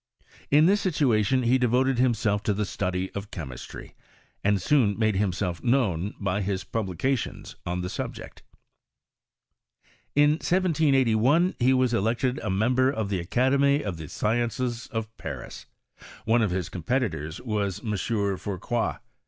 In this situation he devoted biiDself to the study of chemistry, and soon made himself known by his publications on the subject. 14 2 F cnsmsTST. I I In 1781 he was elected a member of tfae Academy , of Sciences of Paris ; one of hia competitors wa« M. Fourcroy.